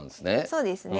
そうですね。